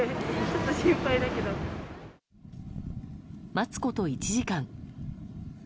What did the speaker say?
待つこと１時間。